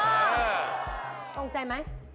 เบ๊กเองก็ยินมา